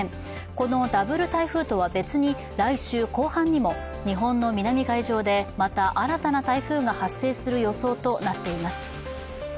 このダブル台風とは別に来週後半にも日本の南海上でまた新たな台風が発生する予想となっています。